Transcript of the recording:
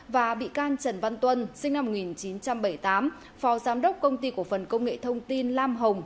và bị can trần văn tuân sinh năm một nghìn chín trăm bảy mươi tám phó giám đốc công ty cổ phần công nghệ thông tin lam hồng